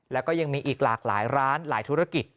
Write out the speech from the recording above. แล้วก็ยังมีอีกหลากหลายร้านหลายธุรกิจ